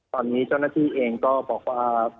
ตอนนี้เจ้าหน้าที่เองก็บอกว่า